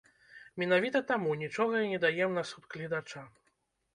Менавіта таму, нічога і не даем на суд гледача.